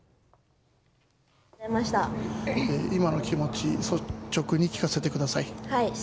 今の気持ち率直に聞かせてください。